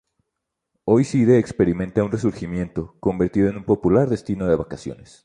Hoy Side experimenta un resurgimiento, convertido en un popular destino de vacaciones.